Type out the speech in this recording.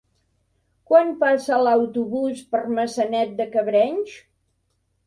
Quan passa l'autobús per Maçanet de Cabrenys?